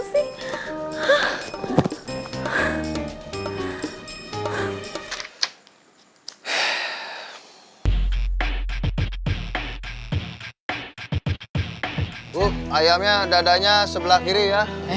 uh ayamnya dadanya sebelah kiri ya